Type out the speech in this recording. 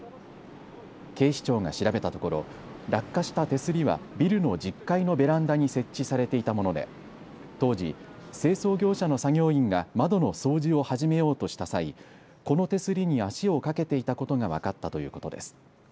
警視庁が調べたところ落下した手すりはビルの１０階のベランダに設置されていたもので当時窓の掃除を始めようとした詐欺、足をかけていたことが分かったということです。